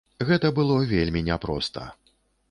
Гэта было вельмі няпроста.